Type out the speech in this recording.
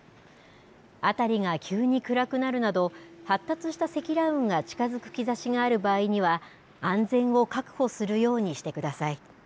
辺りが急に暗くなるなど発達した積乱雲が近づく兆しがある場合には安全を確保するようにしてください。